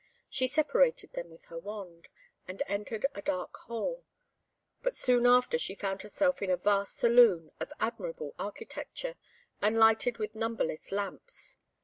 She separated them with her wand, and entered a dark hole; but soon after she found herself in a vast saloon, of admirable architecture, and lighted with numberless lamps.